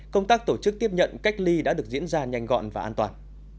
công tác tổ chức tiếp nhận cách ly đã được diễn ra nhanh gọn và an toàn